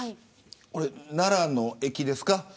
これ、奈良の駅ですか。